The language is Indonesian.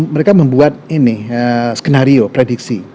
mereka membuat ini skenario prediksi